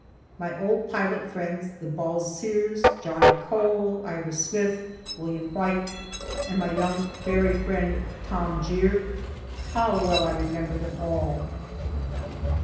My old pilot friends, the Balsirs, Johnny Cole, Ira Smith, William White, and my young ferry friend, Tom Gere how well I remember them all.